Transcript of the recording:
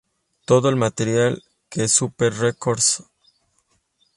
Todo el material que Super Records Ltd.